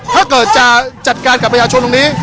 ถ้าเกิดจะจัดการกับประชาชนตรงนี้